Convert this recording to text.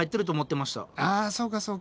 あそうかそうか。